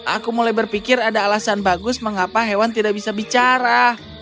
aku mulai berpikir ada alasan bagus mengapa hewan tidak bisa bicara